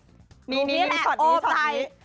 มีมีส่วนนี้ส่วนนี้รูปนี้แหละโอบไทย